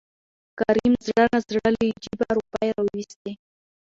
کريم زړه نازړه له جوبه روپۍ راوېستې.